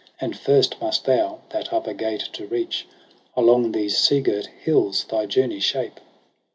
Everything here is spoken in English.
And first must thou, that upper gate to reach. Along these seagirt hills thy journey shape.